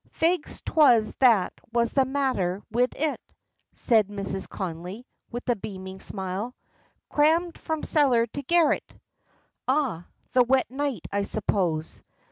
"Fegs 'twas that was the matther wid it," says Mrs. Connolly, with a beaming smile. "Crammed from cellar to garret." "Ah! the wet night, I suppose."